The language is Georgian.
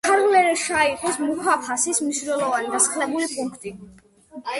ქაფრ-ელ-შაიხის მუჰაფაზის მნიშვნელოვანი დასახლებული პუნქტი.